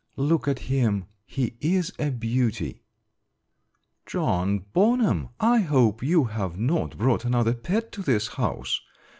Look at him, he is a beauty!" "John Bonham, I hope you have not brought another pet to this house!